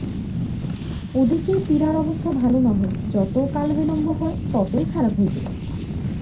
এ দিকে পীড়ার অবস্থা ভালো নহে, যত কালবিলম্ব হয় ততই খারাপ হইবে।